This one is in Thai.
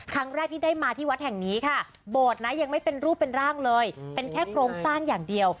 ครั้งแรกที่ได้มาที่วัดแห่งนี้ค่ะโบสถ์นะยังไม่เป็นรูปเป็นร่างเลยเป็นแค่โครงสร้างอย่างเดียว